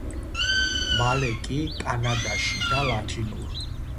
მალე კი კანადაში და ლათინურ